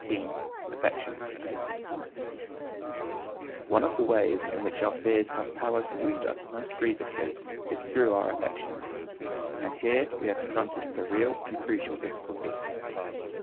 XVIII AFFECTION One of the ways in which our fears have power to wound us most grievously is through our affections, and here we are confronted with a real and crucial difficulty.